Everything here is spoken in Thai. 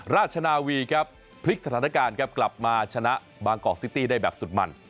ราชนาวีครับพลิกสถานการณ์ครับกลับมาชนะบางกอกซิตี้ได้แบบสุดมัน